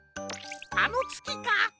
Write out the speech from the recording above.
あのつきか？